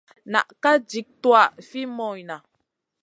Na ka jik tuwaʼa fi moyna.